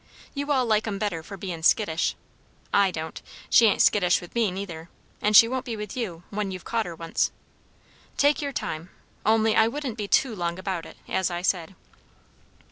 You all like 'em better for bein' skittish. I don't. She ain't skittish with me, neither; and she won't be with you, when you've caught her once. Take your time, only I wouldn't be too long about it, as I said."